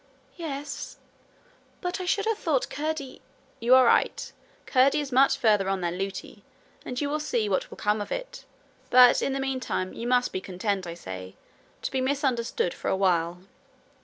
'Yes; but I should have thought Curdie ' 'You are right. Curdie is much farther on than Lootie, and you will see what will come of it. But in the meantime you must be content, I say, to be misunderstood for a while.